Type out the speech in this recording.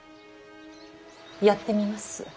やってみます。